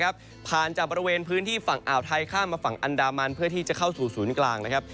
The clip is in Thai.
ผ่านจากบริเวณพื้นที่ฝั่งอ่าวไทยข้ามมาฝั่งอันดามันเพื่อที่จะเข้าสู่ศูนย์กลางนะครับ